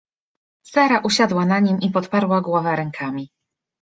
Sara usiadła na nim i podparła głowę rękami.